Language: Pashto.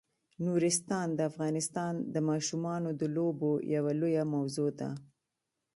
نورستان د افغانستان د ماشومانو د لوبو یوه لویه موضوع ده.